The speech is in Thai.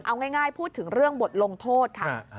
เอาง่ายพูดถึงเรื่องบทลงโทษค่ะ